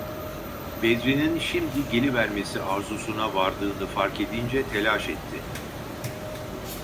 Bedri’nin şimdi gelivermesi arzusuna vardığını fark edince telaş etti.